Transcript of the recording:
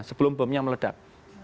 sebelum bomnya meledak